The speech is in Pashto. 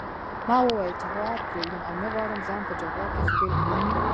ما وویل چې هیواد پرېږدم او نه غواړم ځان په جګړه کې ښکېل کړم.